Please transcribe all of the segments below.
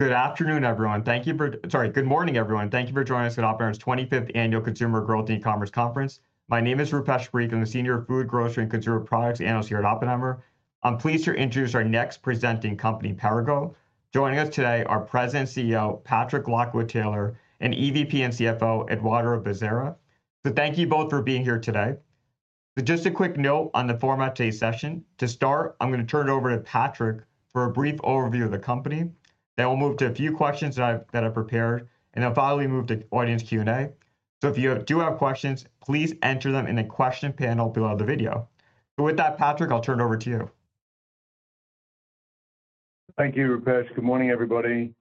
Good afternoon, everyone. Thank you for—sorry, good morning, everyone. Thank you for joining us at Oppenheimer's 25th Annual Consumer Growth and E-commerce Conference. My name is Rupesh Parikh. I'm the Senior Food, Grocery, and Consumer Products Analyst here at Oppenheimer. I'm pleased to introduce our next presenting company, Perrigo. Joining us today are President and CEO Patrick Lockwood-Taylor and EVP and CFO Eduardo Bezerra. Thank you both for being here today. Just a quick note on the format of today's session. To start, I'm going to turn it over to Patrick for a brief overview of the company. Then we'll move to a few questions that I've prepared, and then finally move to audience Q&A. If you do have questions, please enter them in the question panel below the video. With that, Patrick, I'll turn it over to you. Thank you, Rupesh. Good morning, everybody.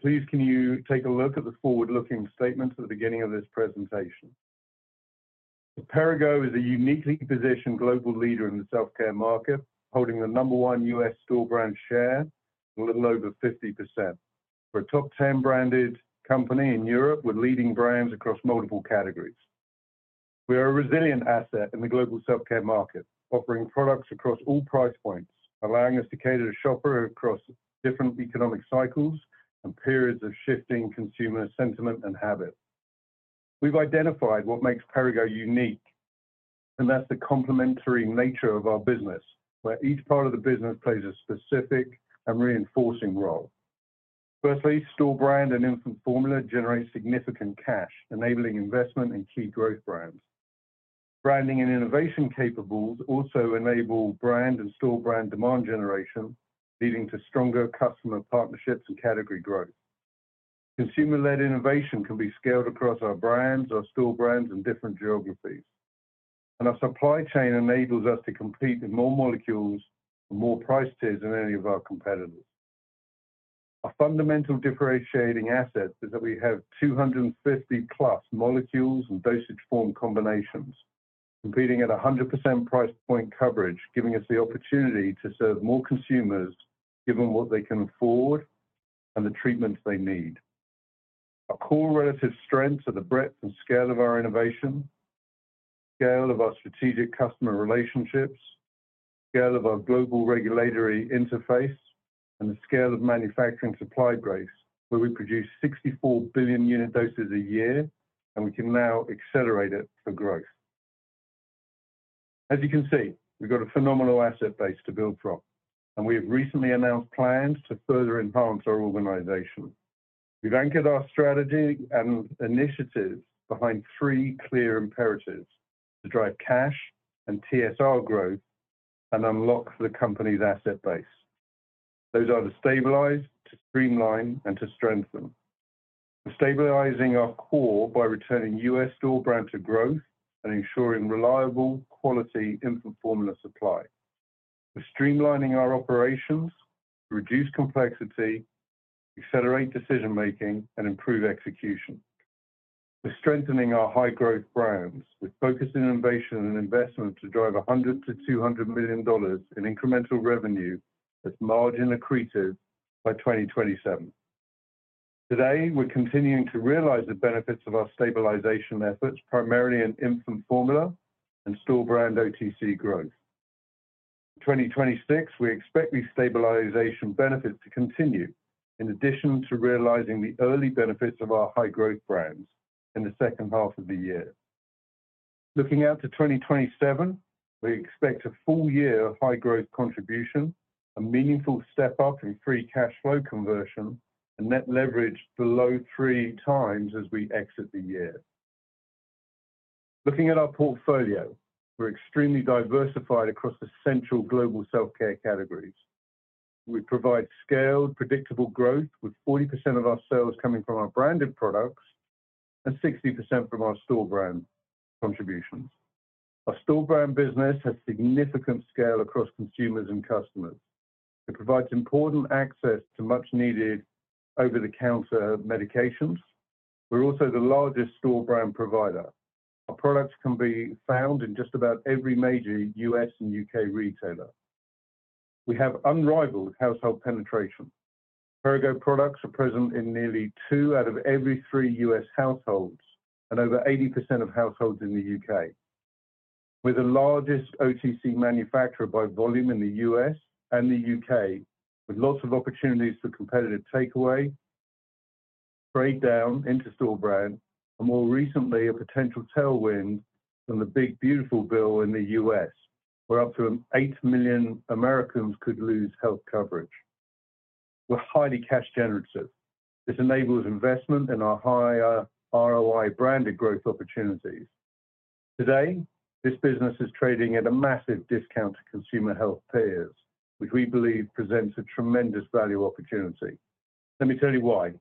Please, can you take a look at the forward-looking statement at the beginning of this presentation? Perrigo is a uniquely positioned global leader in the self-care market, holding the number one U.S. store brand share, a little over 50%, for a top 10 branded company in Europe with leading brands across multiple categories. We are a resilient asset in the global self-care market, offering products across all price points, allowing us to cater to shoppers across different economic cycles and periods of shifting consumer sentiment and habits. We've identified what makes Perrigo unique, and that's the complementary nature of our business, where each part of the business plays a specific and reinforcing role. Firstly, store brand and infant formula generate significant cash, enabling investment in key growth brands. Branding and innovation capables also enable brand and store brand demand generation, leading to stronger customer partnerships and category growth. Consumer-led innovation can be scaled across our brands, our store brands, and different geographies. Our supply chain enables us to compete with more molecules and more price tiers than any of our competitors. A fundamental differentiating asset is that we have 250+ molecules and dosage form combinations, competing at 100% price point coverage, giving us the opportunity to serve more consumers given what they can afford and the treatments they need. Our core relative strengths are the breadth and scale of our innovation, the scale of our strategic customer relationships, the scale of our global regulatory interface, and the scale of manufacturing supply base, where we produce 64 billion unit doses a year, and we can now accelerate it for growth. As you can see, we've got a phenomenal asset base to build from, and we have recently announced plans to further enhance our organization. We've anchored our strategy and initiatives behind three clear imperatives to drive cash and TSR growth and unlock the company's asset base. Those are to stabilize, to streamline, and to strengthen. We're stabilizing our core by returning U.S. store brand to growth and ensuring reliable, quality infant formula supply. We're streamlining our operations to reduce complexity, accelerate decision-making, and improve execution. We're strengthening our high-growth brands with focus on innovation and investment to drive $100 million - $200 million in incremental revenue as margin accretive by 2027. Today, we're continuing to realize the benefits of our stabilization efforts, primarily in infant formula and store brand OTC growth. In 2026, we expect these stabilization benefits to continue, in addition to realizing the early benefits of our high-growth brands in the second half of the year. Looking out to 2027, we expect a full year of high-growth contribution, a meaningful step up in free cash flow conversion, and net leverage below three times as we exit the year. Looking at our portfolio, we're extremely diversified across essential global self-care categories. We provide scaled, predictable growth, with 40% of our sales coming from our branded products and 60% from our store brand contributions. Our store brand business has significant scale across consumers and customers. It provides important access to much-needed over-the-counter medications. We're also the largest store brand provider. Our products can be found in just about every major U.S. and U.K. retailer. We have unrivaled household penetration. Perrigo products are present in nearly two out of every three U.S. households and over 80% of households in the U.K. We're the largest OTC manufacturer by volume in the U.S. and the U.K., with lots of opportunities for competitive takeaway, trade-down into store brand, and more recently, a potential tailwind from the Big Beautiful Bill in the U.S., where up to 8 million Americans could lose health coverage. We're highly cash-generative. This enables investment in our higher ROI branded growth opportunities. Today, this business is trading at a massive discount to consumer health peers, which we believe presents a tremendous value opportunity. Let me tell you why.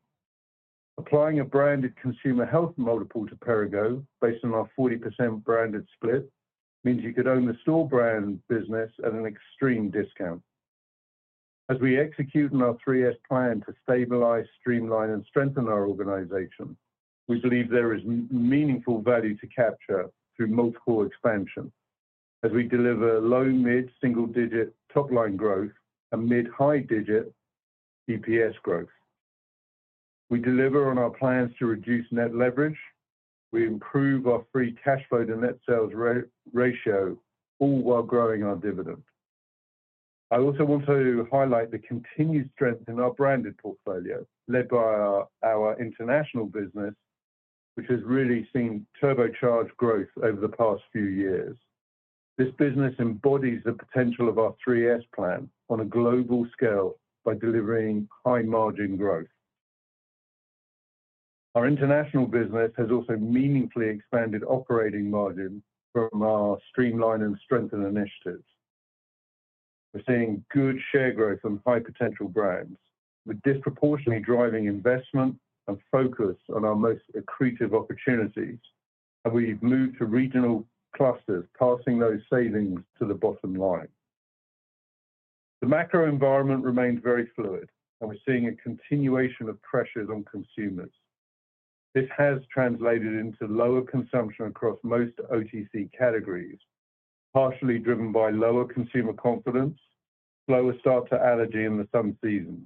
Applying a branded consumer health multiple to Perrigo, based on our 40% branded split, means you could own the store brand business at an extreme discount. As we execute on our 3S plan to stabilize, streamline, and strengthen our organization, we believe there is meaningful value to capture through multiple expansions, as we deliver low, mid, single-digit top-line growth, and mid-high-digit EPS growth. We deliver on our plans to reduce net leverage. We improve our free cash flow to net sales ratio, all while growing our dividend. I also want to highlight the continued strength in our branded portfolio, led by our international business, which has really seen turbocharged growth over the past few years. This business embodies the potential of our 3S plan on a global scale by delivering high-margin growth. Our international business has also meaningfully expanded operating margin from our streamline and strengthen initiatives. We're seeing good share growth on high-potential brands, with disproportionately driving investment and focus on our most accretive opportunities, and we've moved to regional clusters, passing those savings to the bottom line. The macro environment remains very fluid, and we're seeing a continuation of pressures on consumers. This has translated into lower consumption across most OTC categories, partially driven by lower consumer confidence, slower start to allergy in the summer seasons.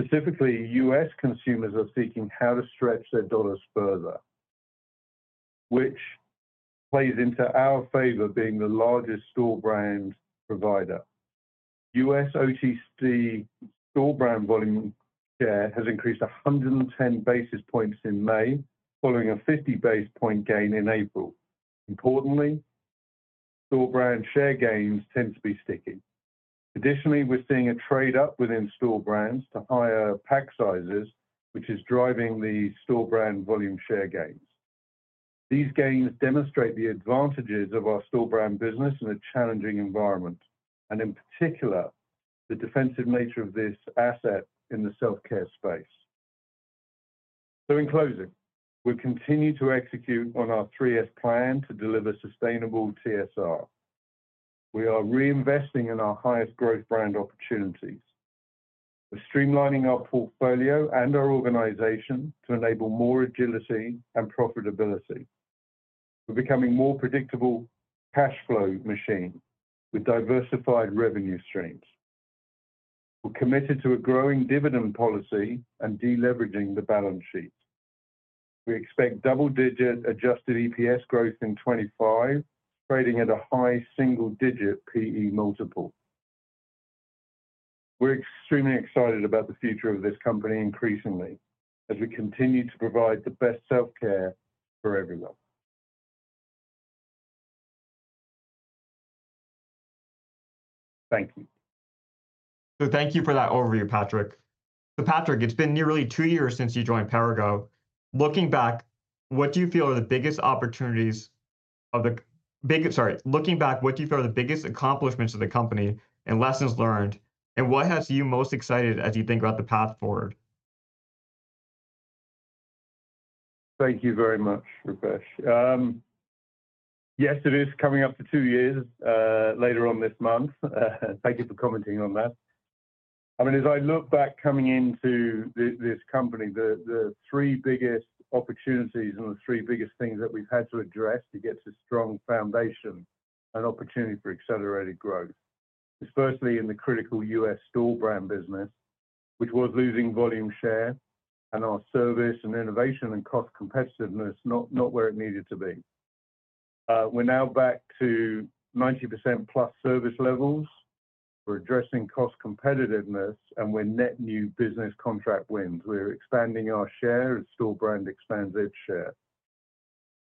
Specifically, U.S. consumers are seeking how to stretch their dollars further, which plays into our favor of being the largest store brand provider. U.S. OTC store brand volume share has increased 110 basis points in May, following a 50 basis point gain in April. Importantly, store brand share gains tend to be sticky. Additionally, we're seeing a trade-up within store brands to higher pack sizes, which is driving the store brand volume share gains. These gains demonstrate the advantages of our store brand business in a challenging environment, and in particular, the defensive nature of this asset in the self-care space. In closing, we continue to execute on our 3S plan to deliver sustainable TSR. We are reinvesting in our highest growth brand opportunities. We're streamlining our portfolio and our organization to enable more agility and profitability. We're becoming more predictable cash flow machines with diversified revenue streams. We're committed to a growing dividend policy and deleveraging the balance sheet. We expect double-digit adjusted EPS growth in 2025, trading at a high single-digit P/E multiple. We're extremely excited about the future of this company increasingly, as we continue to provide the best self-care for everyone. Thank you. Thank you for that overview, Patrick. Patrick, it's been nearly two years since you joined Perrigo. Looking back, what do you feel are the biggest opportunities of the—sorry, looking back, what do you feel are the biggest accomplishments of the company and lessons learned, and what has you most excited as you think about the path forward? Thank you very much, Rupesh. Yes, it is coming up to two years later on this month. Thank you for commenting on that. I mean, as I look back coming into this company, the three biggest opportunities and the three biggest things that we've had to address to get to a strong foundation and opportunity for accelerated growth is firstly in the critical U.S. store brand business, which was losing volume share, and our service and innovation and cost competitiveness not where it needed to be. We're now back to 90% plus service levels. We're addressing cost competitiveness, and we're net new business contract wins. We're expanding our share as store brand expands its share.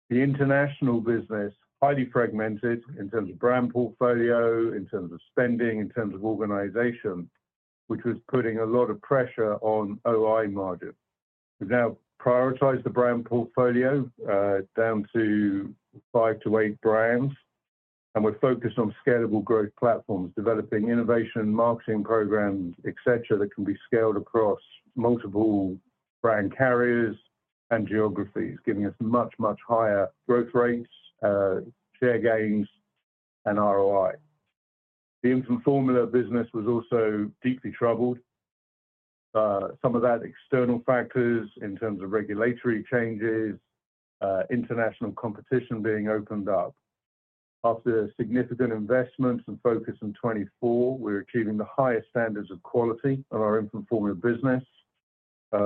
The international business is highly fragmented in terms of brand portfolio, in terms of spending, in terms of organization, which was putting a lot of pressure on OI margins. We've now prioritized the brand portfolio down to five to eight brands, and we're focused on scalable growth platforms, developing innovation and marketing programs, etc., that can be scaled across multiple brand carriers and geographies, giving us much, much higher growth rates, share gains, and ROI. The infant formula business was also deeply troubled. Some of that external factors in terms of regulatory changes, international competition being opened up. After significant investments and focus in 2024, we're achieving the highest standards of quality on our infant formula business.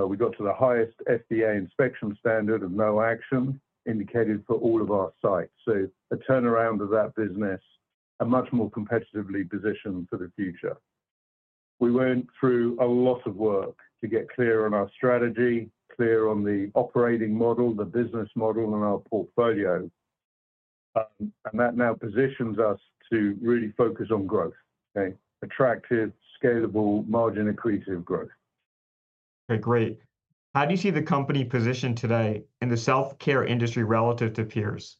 We got to the highest FDA inspection standard of no action indicated for all of our sites. A turnaround of that business and much more competitively positioned for the future. We went through a lot of work to get clear on our strategy, clear on the operating model, the business model, and our portfolio, and that now positions us to really focus on growth, okay? Attractive, scalable, margin-accretive growth. Okay, great. How do you see the company positioned today in the self-care industry relative to peers?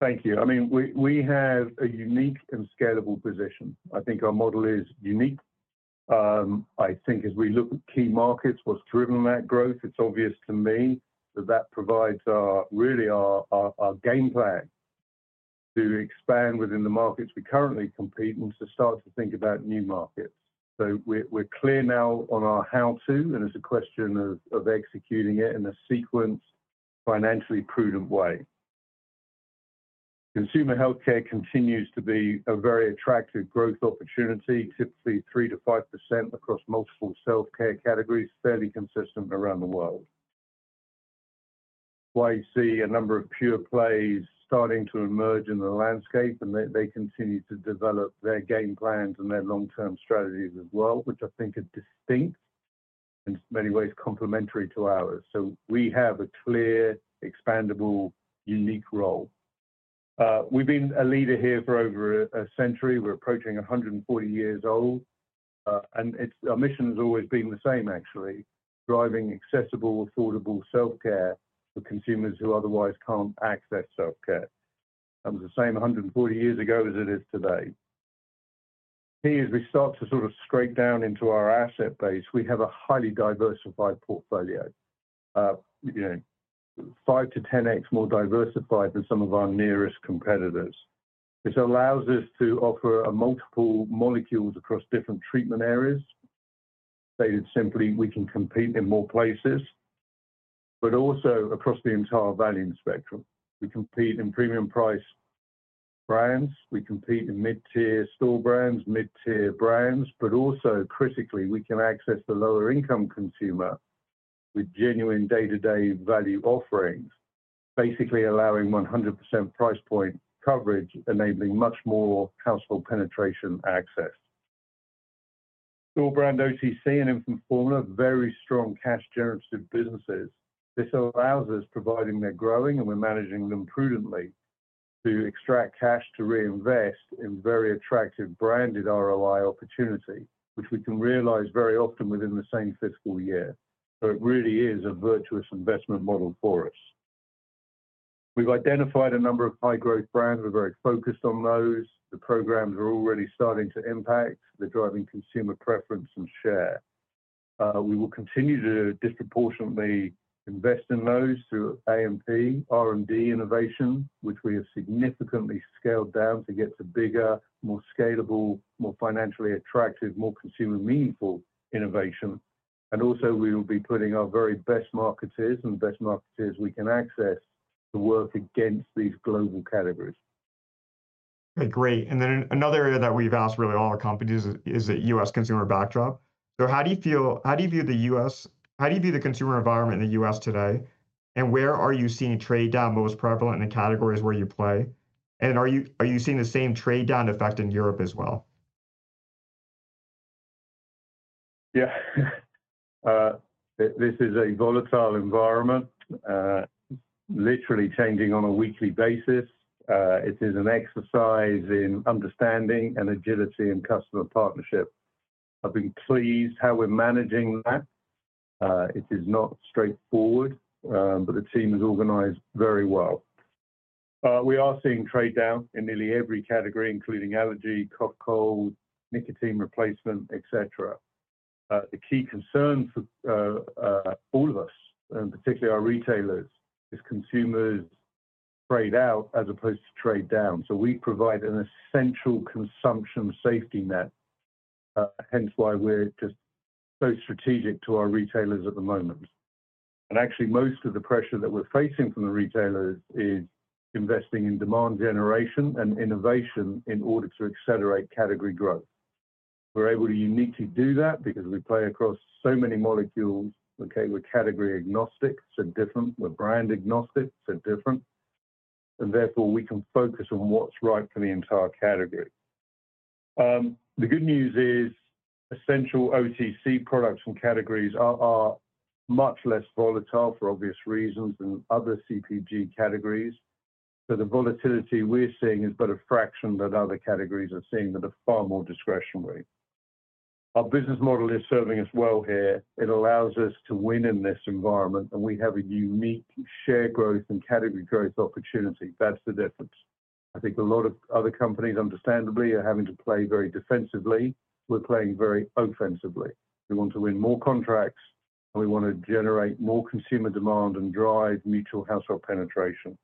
Thank you. I mean, we have a unique and scalable position. I think our model is unique. I think as we look at key markets, what's driven that growth, it's obvious to me that that provides really our game plan to expand within the markets we currently compete in to start to think about new markets. We are clear now on our how-to, and it's a question of executing it in a sequence, financially prudent way. Consumer healthcare continues to be a very attractive growth opportunity, typically 3% - 5% across multiple self-care categories, fairly consistent around the world. Why you see a number of pure plays starting to emerge in the landscape, and they continue to develop their game plans and their long-term strategies as well, which I think are distinct and in many ways complementary to ours. We have a clear, expandable, unique role. We've been a leader here for over a century. We're approaching 140 years old, and our mission has always been the same, actually: driving accessible, affordable self-care for consumers who otherwise can't access self-care. It's the same 140 years ago as it is today. As we start to sort of scrape down into our asset base, we have a highly diversified portfolio, 5x - 10x more diversified than some of our nearest competitors. This allows us to offer multiple molecules across different treatment areas. Stated simply, we can compete in more places, but also across the entire value spectrum. We compete in premium price brands. We compete in mid-tier store brands, mid-tier brands, but also critically, we can access the lower-income consumer with genuine day-to-day value offerings, basically allowing 100% price point coverage, enabling much more household penetration access. Store brand OTC and infant formula, very strong cash-generative businesses. This allows us, providing they're growing and we're managing them prudently, to extract cash to reinvest in very attractive branded ROI opportunity, which we can realize very often within the same fiscal year. It really is a virtuous investment model for us. We've identified a number of high-growth brands. We're very focused on those. The programs are already starting to impact. They're driving consumer preference and share. We will continue to disproportionately invest in those through A&P, R&D innovation, which we have significantly scaled down to get to bigger, more scalable, more financially attractive, more consumer-meaningful innovation. Also, we will be putting our very best marketers and the best marketers we can access to work against these global categories. Okay, great. Another area that we've asked really all our companies is the U.S. consumer backdrop. How do you feel—how do you view the U.S.—how do you view the consumer environment in the U.S. today? Where are you seeing trade-down most prevalent in the categories where you play? Are you seeing the same trade-down effect in Europe as well? Yeah. This is a volatile environment, literally changing on a weekly basis. It is an exercise in understanding and agility and customer partnership. I've been pleased how we're managing that. It is not straightforward, but the team is organized very well. We are seeing trade-down in nearly every category, including allergy, cough, cold, nicotine replacement, etc. The key concern for all of us, and particularly our retailers, is consumers trade out as opposed to trade down. We provide an essential consumption safety net, hence why we're just so strategic to our retailers at the moment. Actually, most of the pressure that we're facing from the retailers is investing in demand generation and innovation in order to accelerate category growth. We're able to uniquely do that because we play across so many molecules. Okay, we're category agnostic. So different. We're brand agnostic. So different. Therefore, we can focus on what's right for the entire category. The good news is essential OTC products and categories are much less volatile for obvious reasons than other CPG categories. The volatility we're seeing is but a fraction that other categories are seeing that are far more discretionary. Our business model is serving us well here. It allows us to win in this environment, and we have a unique share growth and category growth opportunity. That's the difference. I think a lot of other companies, understandably, are having to play very defensively. We're playing very offensively. We want to win more contracts, and we want to generate more consumer demand and drive mutual household penetration.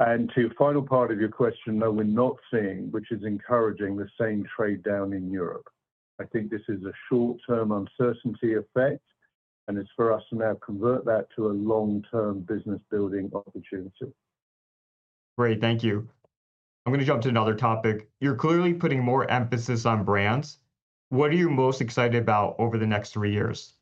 To your final part of your question, no, we're not seeing, which is encouraging, the same trade-down in Europe. I think this is a short-term uncertainty effect, and it's for us to now convert that to a long-term business-building opportunity. Great. Thank you. I'm going to jump to another topic. You're clearly putting more emphasis on brands. What are you most excited about over the next three years?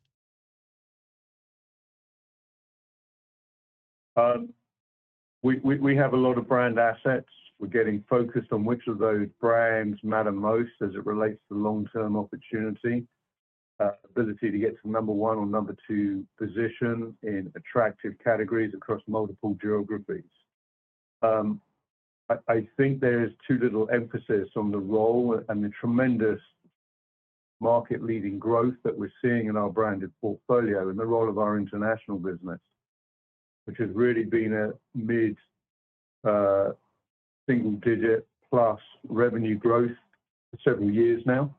We have a lot of brand assets. We're getting focused on which of those brands matter most as it relates to long-term opportunity, ability to get to number one or number two position in attractive categories across multiple geographies. I think there is too little emphasis on the role and the tremendous market-leading growth that we're seeing in our branded portfolio and the role of our international business, which has really been a mid-single-digit plus revenue growth for several years now.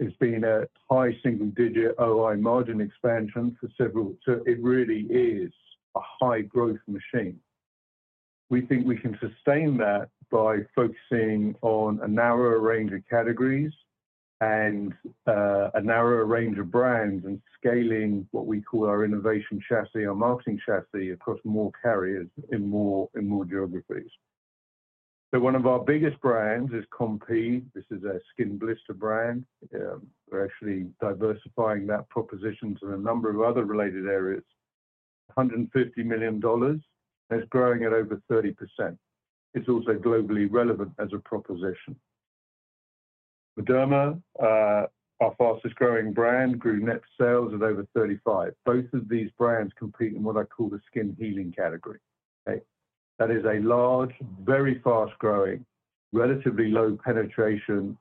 It's been a high single-digit OI margin expansion for several—so it really is a high-growth machine. We think we can sustain that by focusing on a narrower range of categories and a narrower range of brands and scaling what we call our innovation chassis, our marketing chassis across more carriers in more geographies. One of our biggest brands is Compeed. This is a skin blister brand. We're actually diversifying that proposition to a number of other related areas. $150 million. It's growing at over 30%. It's also globally relevant as a proposition. Mederma, our fastest-growing brand, grew net sales at over 35%. Both of these brands compete in what I call the skin healing category. Okay? That is a large, very fast-growing, relatively low-penetration,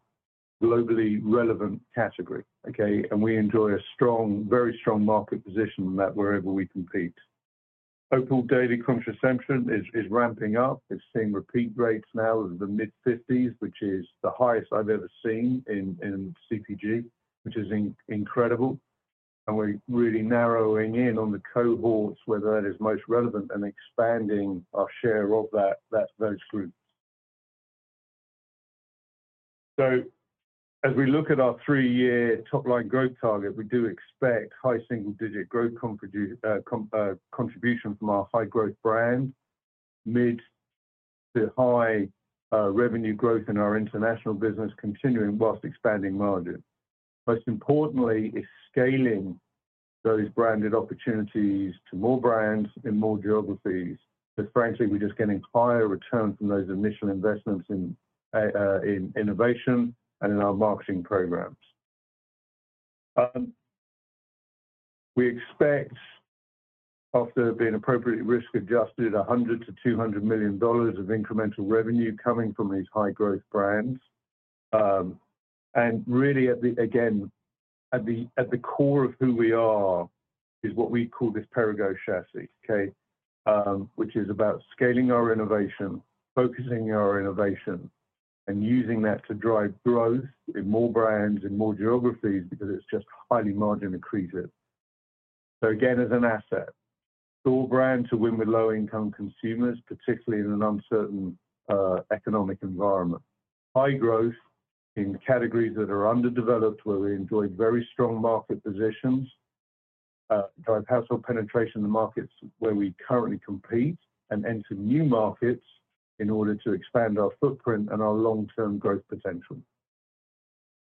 globally relevant category. Okay? And we enjoy a strong, very strong market position in that wherever we compete. April Daily Crunch Ascension is ramping up. We've seen repeat rates now of the mid-50s, which is the highest I've ever seen in CPG, which is incredible. And we're really narrowing in on the cohorts where that is most relevant and expanding our share of those groups. As we look at our three-year top-line growth target, we do expect high single-digit growth contribution from our high-growth brand, mid to high revenue growth in our international business continuing whilst expanding margin. Most importantly, it's scaling those branded opportunities to more brands in more geographies because, frankly, we're just getting higher returns from those initial investments in innovation and in our marketing programs. We expect, after being appropriately risk-adjusted, $100 million - $200 million of incremental revenue coming from these high-growth brands. Really, again, at the core of who we are is what we call this Perrigo chassis, which is about scaling our innovation, focusing our innovation, and using that to drive growth in more brands in more geographies because it's just highly margin-accretive. Again, as an asset, store brand to win with low-income consumers, particularly in an uncertain economic environment. High growth in categories that are underdeveloped where we enjoy very strong market positions, drive household penetration in the markets where we currently compete, and enter new markets in order to expand our footprint and our long-term growth potential.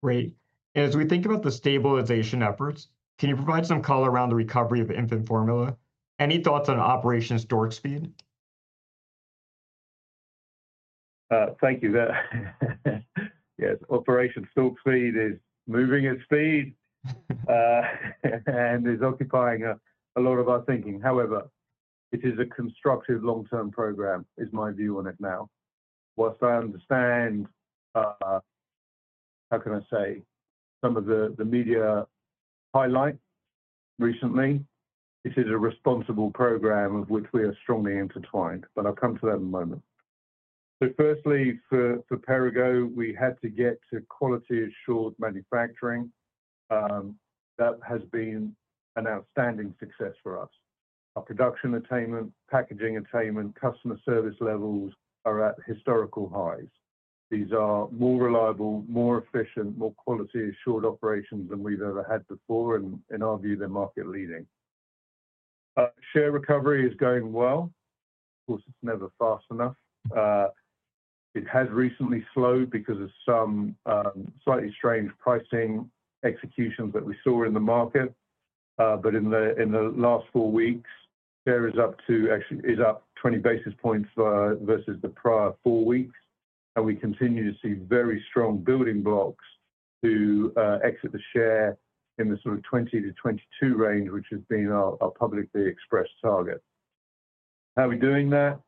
Great. As we think about the stabilization efforts, can you provide some color around the recovery of infant formula? Any thoughts on Operation Stork Speed? Thank you. Yes, Operation Stork Speed is moving at speed and is occupying a lot of our thinking. However, it is a constructive long-term program, is my view on it now. Whilst I understand, how can I say, some of the media highlights recently, it is a responsible program of which we are strongly intertwined, but I'll come to that in a moment. Firstly, for Perrigo, we had to get to quality-assured manufacturing. That has been an outstanding success for us. Our production attainment, packaging attainment, customer service levels are at historical highs. These are more reliable, more efficient, more quality-assured operations than we've ever had before, and in our view, they're market-leading. Share recovery is going well. Of course, it's never fast enough. It has recently slowed because of some slightly strange pricing executions that we saw in the market. In the last four weeks, share is up to actually is up 20 basis points versus the prior four weeks. We continue to see very strong building blocks to exit the share in the sort of 20-22 range, which has been our publicly expressed target. How are we doing that?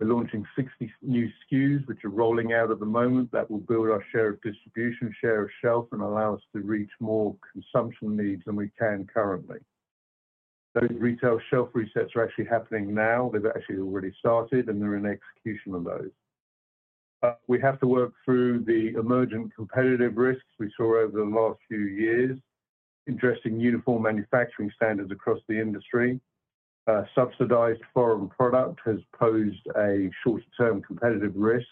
We're launching 60 new SKUs, which are rolling out at the moment. That will build our share of distribution, share of shelf, and allow us to reach more consumption needs than we can currently. Those retail shelf resets are actually happening now. They've actually already started, and they're in execution on those. We have to work through the emergent competitive risks we saw over the last few years, addressing uniform manufacturing standards across the industry. Subsidized foreign product has posed a shorter-term competitive risk.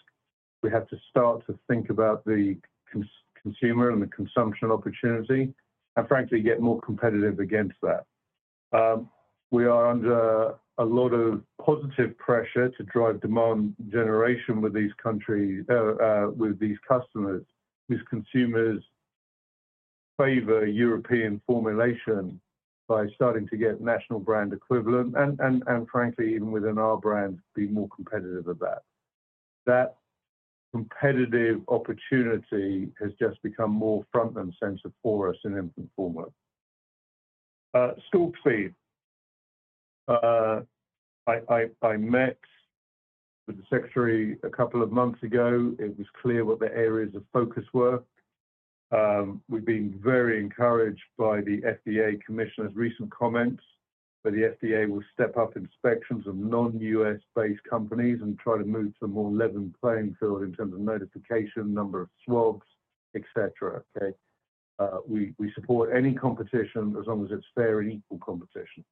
We have to start to think about the consumer and the consumption opportunity and, frankly, get more competitive against that. We are under a lot of positive pressure to drive demand generation with these customers, whose consumers favor European formulation by starting to get national brand equivalent and, frankly, even within our brands, be more competitive at that. That competitive opportunity has just become more front and center for us in infant formula. Stork Speed. I met with the Secretary a couple of months ago. It was clear what the areas of focus were. We've been very encouraged by the FDA Commissioner's recent comments that the FDA will step up inspections of non-U.S.-based companies and try to move to a more level playing field in terms of notification, number of swabs, etc. Okay? We support any competition as long as it's fair and equal competition.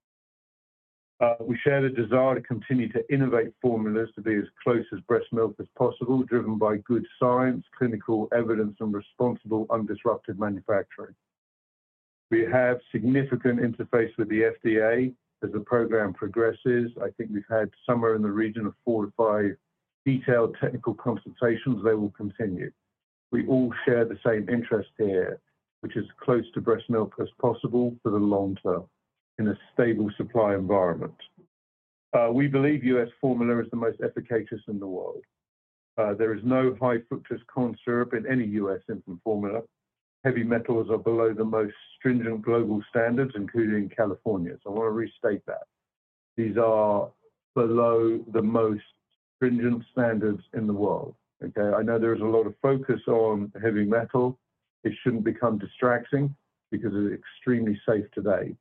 We share the desire to continue to innovate formulas to be as close as breast milk as possible, driven by good science, clinical evidence, and responsible, undisrupted manufacturing. We have significant interface with the FDA as the program progresses. I think we've had somewhere in the region of four to five detailed technical consultations. They will continue. We all share the same interest here, which is close to breast milk as possible for the long term in a stable supply environment. We believe U.S. formula is the most efficacious in the world. There is no high-fructose concentrate in any U.S. infant formula. Heavy metals are below the most stringent global standards, including California. I want to restate that. These are below the most stringent standards in the world. Okay? I know there is a lot of focus on heavy metal. It shouldn't become distracting because it's extremely safe today.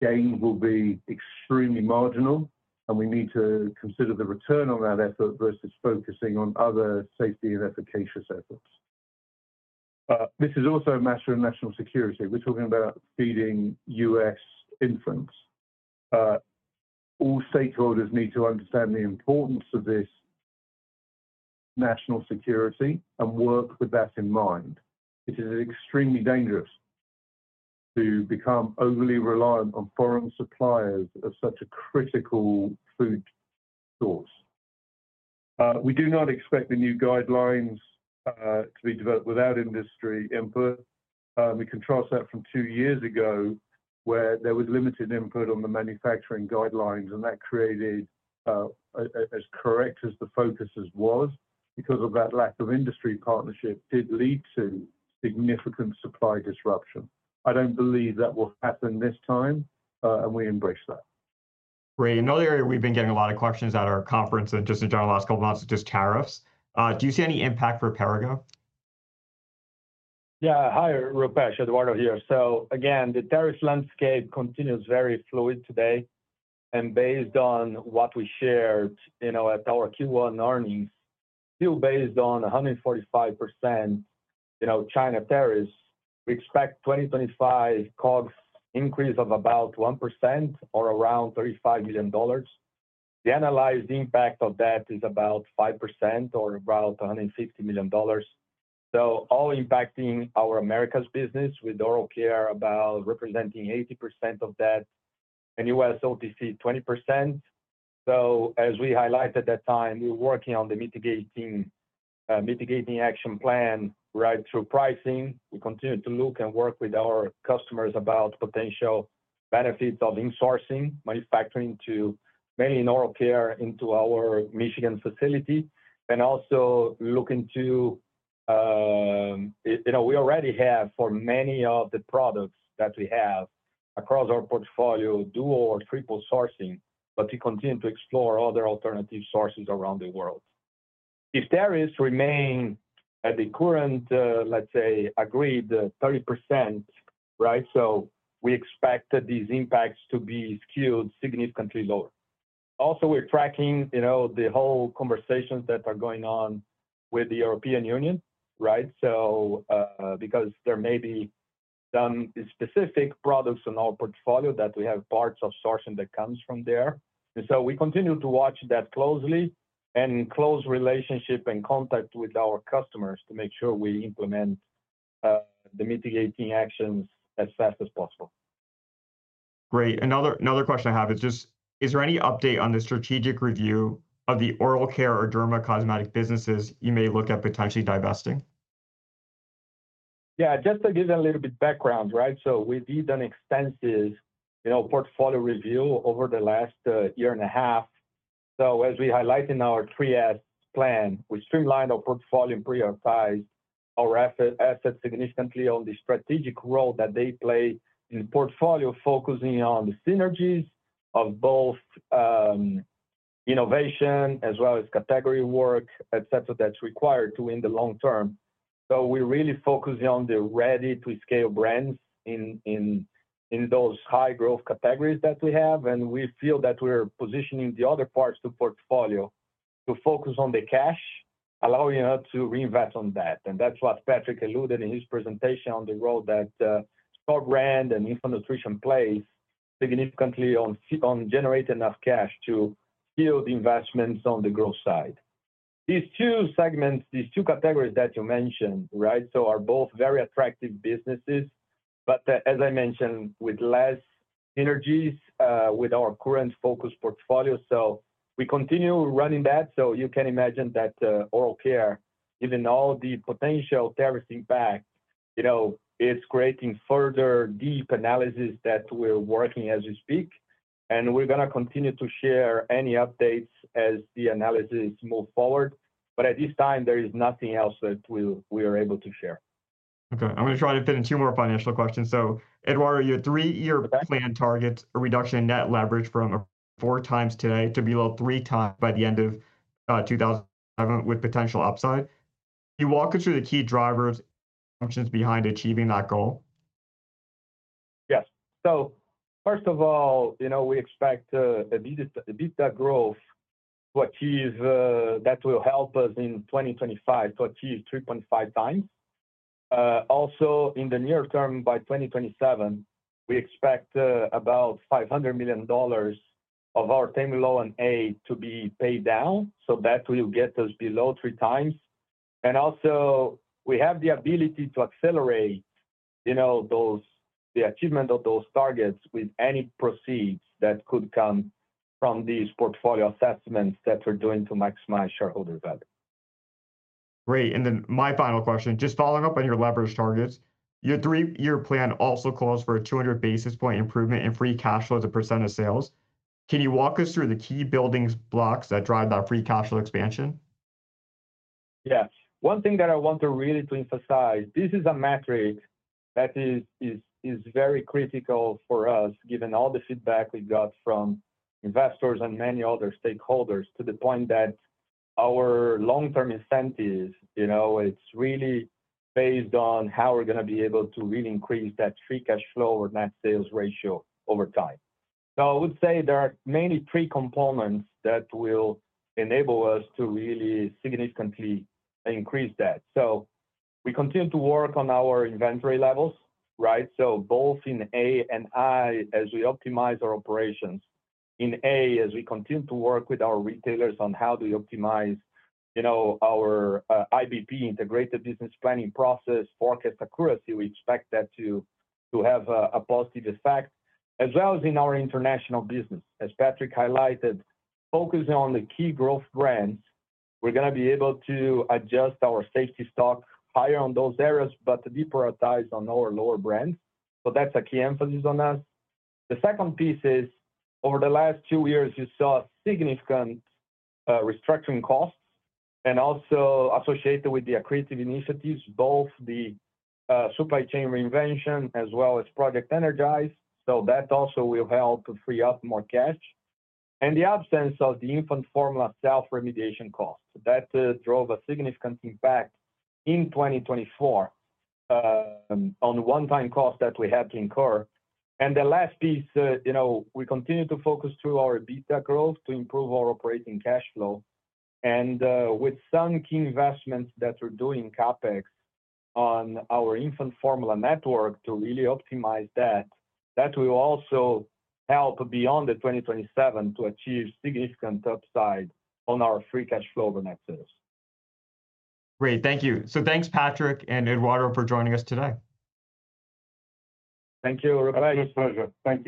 Gain will be extremely marginal, and we need to consider the return on that effort versus focusing on other safety and efficacious efforts. This is also a matter of national security. We're talking about feeding U.S. infants. All stakeholders need to understand the importance of this national security and work with that in mind. It is extremely dangerous to become overly reliant on foreign suppliers of such a critical food source. We do not expect the new guidelines to be developed without industry input. We can trace that from two years ago where there was limited input on the manufacturing guidelines, and that created, as correct as the focus was, because of that lack of industry partnership, did lead to significant supply disruption. I don't believe that will happen this time, and we embrace that. Great. Another area we've been getting a lot of questions at our conference and just in general the last couple of months is just tariffs. Do you see any impact for Perrigo? Yeah. Hi, Rupesh, Eduardo here. So again, the tariffs landscape continues very fluid today. Based on what we shared at our Q1 earnings, still based on 145% China tariffs, we expect 2025 COGS increase of about 1% or around $35 million. The annualized impact of that is about 5% or about $150 million. All impacting our Americas business with Oral Care representing about 80% of that and U.S. OTC 20%. As we highlighted at that time, we're working on the mitigating action plan right through pricing. We continue to look and work with our customers about potential benefits of insourcing manufacturing mainly in Oral Care into our Michigan facility and also looking to, we already have for many of the products that we have across our portfolio, dual or triple sourcing, but we continue to explore other alternative sources around the world. If tariffs remain at the current, let's say, agreed 30%, right, we expect these impacts to be skewed significantly lower. Also, we're tracking the whole conversations that are going on with the European Union, right, because there may be some specific products in our portfolio that we have parts of sourcing that comes from there. We continue to watch that closely and maintain a close relationship and contact with our customers to make sure we implement the mitigating actions as fast as possible. Great. Another question I have is just, is there any update on the strategic review of the oral care or dermocosmetic businesses you may look at potentially divesting? Yeah. Just to give a little bit of background, right, so we did an extensive portfolio review over the last year and a half. As we highlight in our 3S plan, we streamlined our portfolio and prioritized our assets significantly on the strategic role that they play in the portfolio, focusing on the synergies of both innovation as well as category work, etc., that's required to win the long term. We really focus on the ready-to-scale brands in those high-growth categories that we have. We feel that we're positioning the other parts of the portfolio to focus on the cash, allowing us to reinvest on that. That's what Patrick alluded to in his presentation on the role that store brand and infant nutrition plays significantly on generating enough cash to fuel the investments on the growth side. These two segments, these two categories that you mentioned, right, are both very attractive businesses, but as I mentioned, with less synergies with our current focus portfolio. We continue running that. You can imagine that Oral Care, given all the potential tariff impact, is creating further deep analysis that we're working as we speak. We are going to continue to share any updates as the analysis moves forward. At this time, there is nothing else that we are able to share. Okay. I'm going to try to fit in two more financial questions. So Eduardo, your three-year plan targets a reduction in net leverage from 4x today to below3x by the end of 2027 with potential upside. Can you walk us through the key drivers and functions behind achieving that goal? Yes. First of all, we expect a deeper growth to achieve that will help us in 2025 to achieve 3.5x. Also, in the near term, by 2027, we expect about $500 million of our payment loan A to be paid down so that we'll get those below 3x. We also have the ability to accelerate the achievement of those targets with any proceeds that could come from these portfolio assessments that we're doing to maximize shareholder value. Great. My final question, just following up on your leverage targets, your three-year plan also calls for a 200 basis point improvement in free cash flow as a percent of sales. Can you walk us through the key building blocks that drive that free cash flow expansion? Yes. One thing that I want to really emphasize, this is a metric that is very critical for us, given all the feedback we got from investors and many other stakeholders, to the point that our long-term incentives, it's really based on how we're going to be able to really increase that free cash flow or net sales ratio over time. I would say there are mainly three components that will enable us to really significantly increase that. We continue to work on our inventory levels, right? Both in A and I, as we optimize our operations in A, as we continue to work with our retailers on how do we optimize our IBP, integrated business planning process, forecast accuracy, we expect that to have a positive effect, as well as in our international business. As Patrick highlighted, focusing on the key growth brands, we're going to be able to adjust our safety stock higher on those areas, but deprioritize on our lower brands. That is a key emphasis on us. The second piece is, over the last two years, you saw significant restructuring costs and also associated with the accretive initiatives, both the supply chain reinvention as well as Project Energize. That also will help free up more cash. In the absence of the infant formula self-remediation cost, that drove a significant impact in 2024 on the one-time cost that we had to incur. The last piece, we continue to focus through our beta growth to improve our operating cash flow. With some key investments that we're doing CapEx on our infant formula network to really optimize that, that will also help beyond 2027 to achieve significant upside on our free cash flow over next years. Great. Thank you. Thank you, Patrick and Eduardo, for joining us today. Thank you, Rupesh. It's a pleasure. Thank you.